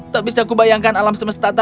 tak bisa aku bayangkan alam semesta tanpa fiona